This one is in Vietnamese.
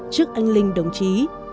trước anh linh đồng chí